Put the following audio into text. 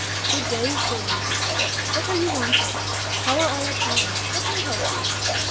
'Good day, Sylvie,' he said; 'what are you wanting? How are all at home? Let me help you!'